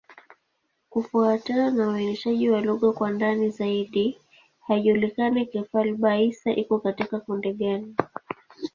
Kufuatana na uainishaji wa lugha kwa ndani zaidi, haijulikani Kifali-Baissa iko katika kundi gani.